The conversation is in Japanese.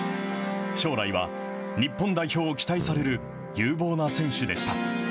将来は日本代表を期待される有望な選手でした。